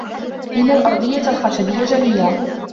إن الأرضية الخشبية جميلة.